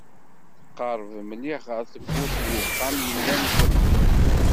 Tqerreb mliḥ ɣer tewwurt n uxxam yellan ẓelmeḍ.